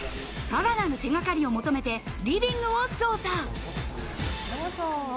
さらなる手がかりを求めてリビングを捜査。